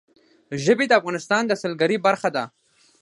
ژبې د افغانستان د سیلګرۍ برخه ده.